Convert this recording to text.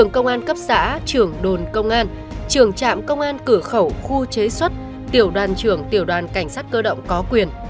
cấp xã trường đồn công an trường trạm công an cửa khẩu khu chế xuất tiểu đoàn trường tiểu đoàn cảnh sát cơ động có quyền